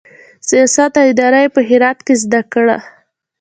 سیاست او اداره یې په هرات کې زده کړه.